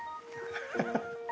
ハッハハ。